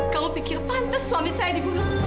kamu pikir pantas suami saya dibunuh